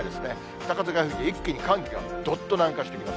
北風が吹き、一気に寒気がどっと南下してきます。